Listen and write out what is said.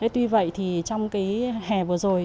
tuy vậy trong hè vừa rồi